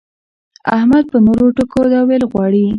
احمد په نورو ټکو دا ويل غواړي.